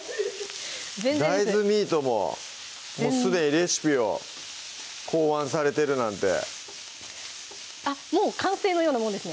大豆ミートももうすでにレシピを考案されてるなんてもう完成のようなもんですね